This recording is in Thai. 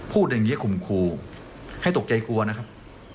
พูดอย่างนี้ข่มขู่ให้ตกใจกลัวนะครับ